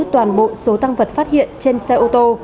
toàn bộ số tăng vật phát hiện trên xe ô tô